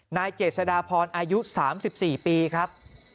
นายเจษฎาพรอายุ๓๔ปีครับ